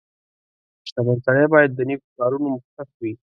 • شتمن سړی باید د نیکو کارونو مخکښ وي.